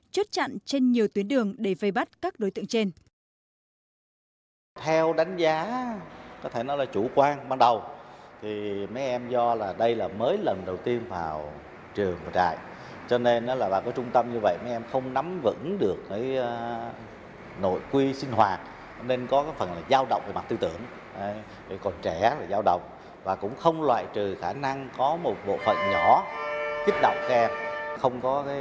chốt chặn trên nhiều tuyến đường để vây bắt các đối tượng trên